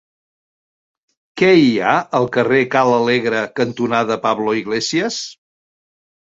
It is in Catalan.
Què hi ha al carrer Ca l'Alegre cantonada Pablo Iglesias?